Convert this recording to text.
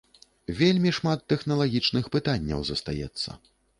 Вельмі шмат тэхналагічных пытанняў застаецца.